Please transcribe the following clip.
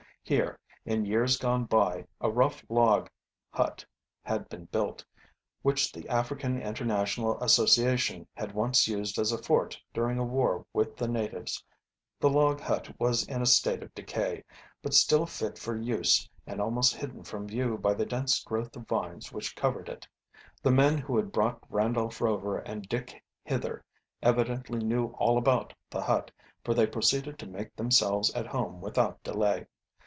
Here, in years gone by, a rough log hut had been built, which the African International Association had once used as a fort during a war with the natives. The log hut was in a state of decay, but still fit for use and almost hidden from view by the dense growth of vines which covered it. The men who had brought Randolph Rover and Dick hither evidently knew all about the hut, for they proceeded to make themselves at home without delay.